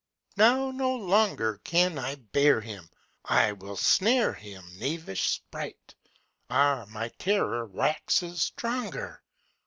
Now no longer Can I bear him; I will snare him, Knavish sprite! Ah, my terror waxes stronger!